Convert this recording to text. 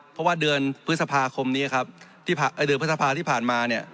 เพราะว่าเดือนพฤษภาคมนี้ครับที่เดือนพฤษภาที่ผ่านมาเนี่ย